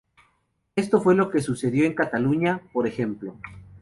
Eso fue lo que sucedió en Cataluña, por ejemplo.